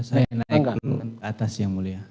saya naik ke atas ya mulia